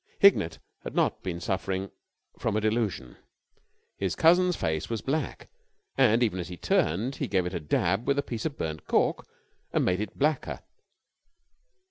Hignett had not been suffering from a delusion. His cousin's face was black; and, even as he turned, he gave it a dab with a piece of burnt cork and made it blacker.